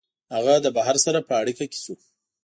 هغه د بهر سره په اړیکه کي سو